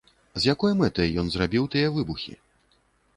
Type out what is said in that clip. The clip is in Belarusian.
З якой мэтай ён зрабіў тыя выбухі?